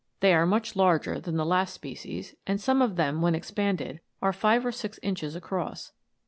They are much larger than the last species, and some of them, when ex panded, are five or six inches across.